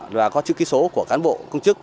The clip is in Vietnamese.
là có chữ ký số của cán bộ công chức